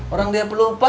orang dia belupa